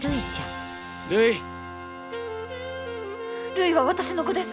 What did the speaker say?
るいは私の子です。